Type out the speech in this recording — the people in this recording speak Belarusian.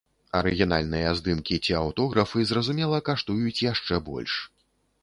Арыгінальныя здымкі ці аўтографы, зразумела, каштуюць яшчэ больш.